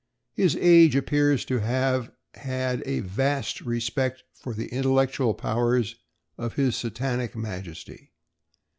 His age appears to have had a vast respect for the intellectual powers of his Satanic Majesty.